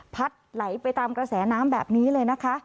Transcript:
พัดไหลไปตามกระแสน้ำแบบนี้เลยนะคะ